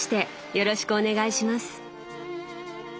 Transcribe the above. よろしくお願いします。